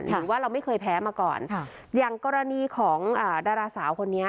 หรือว่าเราไม่เคยแพ้มาก่อนค่ะอย่างกรณีของดาราสาวคนนี้